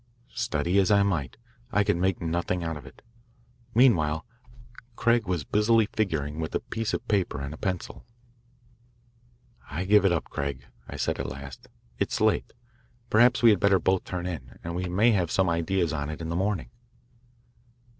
Study as I might, I could make nothing out of it. Meanwhile Craig was busily figuring with a piece of paper and a pencil. "I give it up, Craig," I said at last. "It is late. Perhaps we had better both turn in, and we may have some ideas on it in the morning."